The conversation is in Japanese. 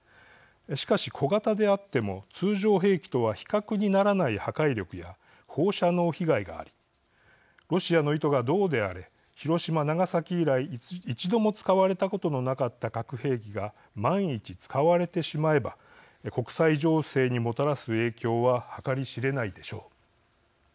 しかし、小型であっても通常兵器とは比較にならない破壊力や放射能被害がありロシアの意図がどうであれ広島・長崎以来一度も使われたことのなかった核兵器が、万一使われてしまえば国際情勢にもたらす影響は計り知れないでしょう。